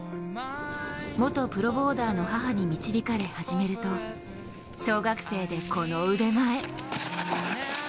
元プロボーダーの母に導かれ始めると小学生で、この腕前。